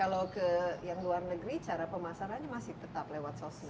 kalau ke yang luar negeri cara pemasarannya masih tetap lewat sosial